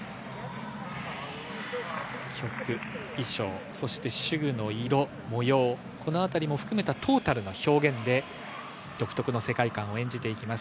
曲、衣装そして手具の色、模様、このあたりも含めたトータルの表現で、独特の世界観を演じていきます。